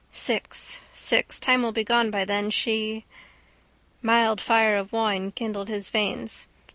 Six. Six. Time will be gone then. She... Mild fire of wine kindled his veins.